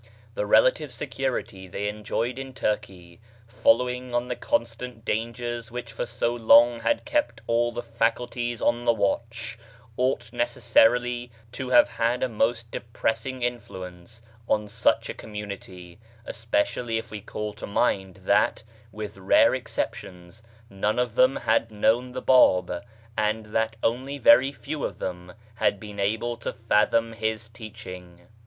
The relative security they enjoyed in Turkey, following on the con stant dangers which for so long had kept all their faculties on the watch, ought necessarily to have had a most depressing influence on such a community, especially if we call tomind that, withrareexceptions, none of them had known the Bab, and that only very few of them had been able to fathom his teaching.